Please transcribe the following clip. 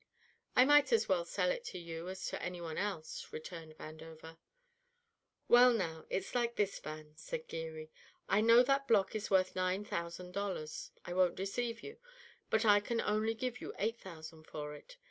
"I might as well sell it to you as to any one else," returned Vandover. "Well, now, it's like this, Van," said Geary. "I know that block is worth nine thousand dollars; I won't deceive you. But I can only give you eight thousand for it.